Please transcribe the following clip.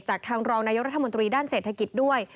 ทางรองนายกรัฐมนตรีด้านเศรษฐกิจด้วย